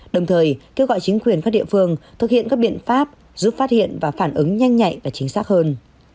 đồng thời kêu gọi chính quyền các địa phương thực hiện các biện pháp giúp phát hiện và phản ứng nhanh nhạy và chính xác hơn